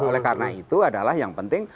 oleh karena itu adalah yang penting